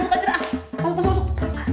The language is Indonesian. masuk masuk masuk